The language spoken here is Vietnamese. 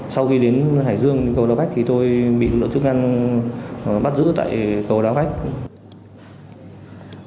sau khi đến hải dương cầu đao bách thì tôi bị lộ chức ngăn bắt giữ tại cầu đao bách